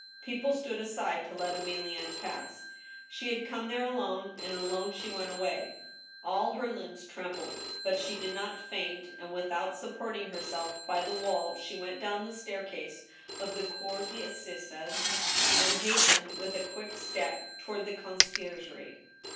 People stood aside to let Emilienne pass. She had come there alonS, and alone she went away. All her limbs trembled, but she did not faint, and without supporting herself by the wall she went down the staircase of the cour cTassizes, and hastened with a quick step toward the conciergirie.